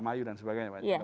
ramayu dan sebagainya banyak